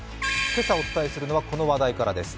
今朝お伝えするのはこの話題からです。